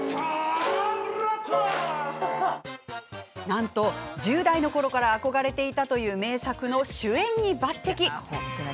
なんと１０代のころから憧れていたという名作の主演に抜てき。